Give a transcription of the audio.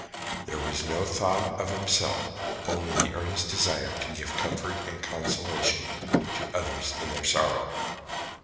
There was no thought of himself, only the earnest desire to give comfort and consolation to others in their sorrow.